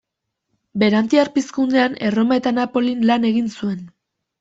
Berantiar Pizkundean Erroma eta Napolin lan egin zuen.